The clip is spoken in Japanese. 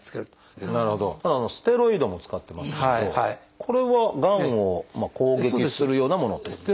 ただステロイドも使ってますけれどこれはがんを攻撃するようなものってことですか？